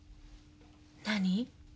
何？